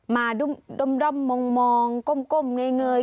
มาดมด่งมองมองก้มก้มง่าย